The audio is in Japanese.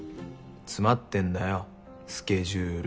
詰まってんだよスケジュール。